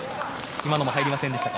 今のも入りませんでしたか。